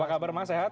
apa kabar mas sehat